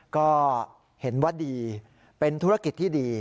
ก็เห็นว่าดีเป็นธุรกิจที่ดี